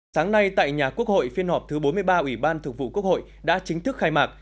sáng nay tại nhà quốc hội phiên họp thứ bốn mươi ba ủy ban thực vụ quốc hội đã chính thức khai mạc